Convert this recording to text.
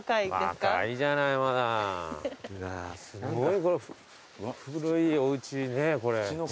すごいこの古いおうちねこれ。